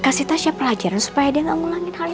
kasih tasya pelajaran supaya dia gak ngulangin hal itu